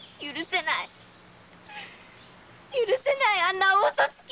許せないあんな大嘘つき！